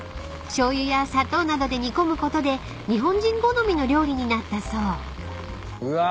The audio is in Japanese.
［しょうゆや砂糖などで煮込むことで日本人好みの料理になったそう］